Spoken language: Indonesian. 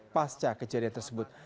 pasca kejadian tersebut